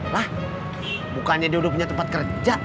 lah bukannya dia udah punya tempat kerja